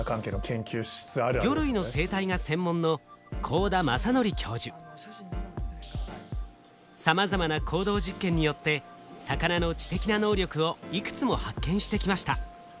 魚類の生態が専門のさまざまな行動実験によって魚の知的な能力をいくつも発見してきました。